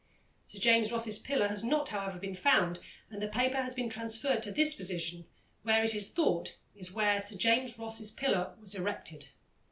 Sir James Ross's pillar has not, however, been found, and the paper has been transferred to this position, which, it is thought, is where Sir James Ross's pillar was erected.